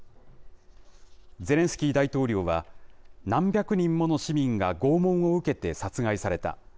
ゼレンスキー大統領は、何百人もの市民が拷問を受けて殺害された。